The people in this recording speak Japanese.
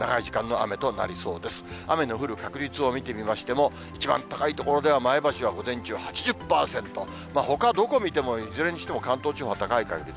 雨の降る確率を見てみましても、一番高い所では、前橋は午前中、８０％、ほか、どこ見てもいずれにしても関東地方は高い確率。